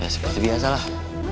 ya seperti biasa lah